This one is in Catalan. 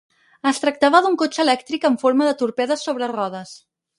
Es tractava d'un cotxe elèctric amb forma de torpede sobre rodes.